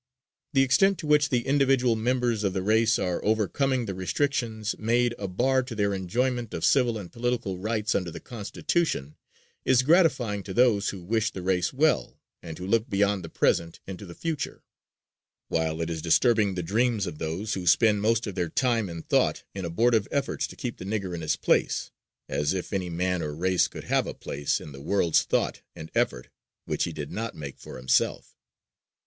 The extent to which the individual members of the race are overcoming the restrictions made a bar to their enjoyment of civil and political rights under the Constitution is gratifying to those who wish the race well and who look beyond the present into the future: while it is disturbing the dreams of those who spend most of their time and thought in abortive efforts to "keep the 'nigger' in his place" as if any man or race could have a place in the world's thought and effort which he did not make for himself!